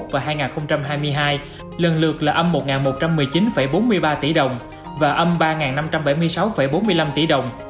và hai nghìn hai mươi hai lần lượt là âm một một trăm một mươi chín bốn mươi ba tỷ đồng và âm ba năm trăm bảy mươi sáu bốn mươi năm tỷ đồng